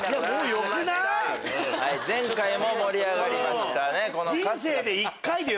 前回も盛り上がりましたね。